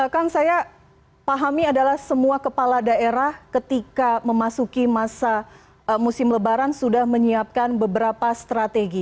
kang saya pahami adalah semua kepala daerah ketika memasuki masa musim lebaran sudah menyiapkan beberapa strategi